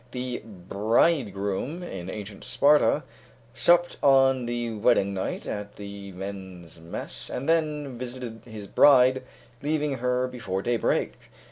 The bridegroom in ancient Sparta supped on the wedding night at the men's mess, and then visited his bride, leaving her before daybreak.